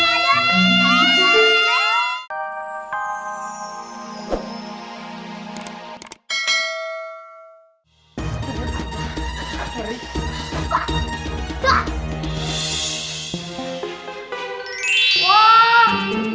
kau menang kalian penting